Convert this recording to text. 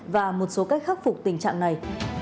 và một số cách khắc phục tình trạng này